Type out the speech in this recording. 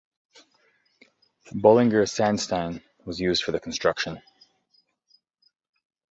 Bollinger Sandstein was used for the construction.